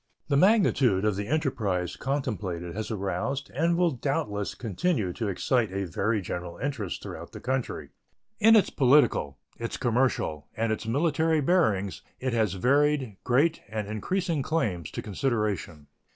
The magnitude of the enterprise contemplated has aroused and will doubtless continue to excite a very general interest throughout the country. In its political, its commercial, and its military bearings it has varied, great, and increasing claims to consideration.